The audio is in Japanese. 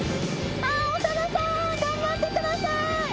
長田さん頑張ってください。